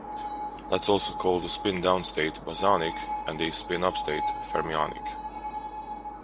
Let's also call the spin down state "bosonic" and the spin up state "fermionic".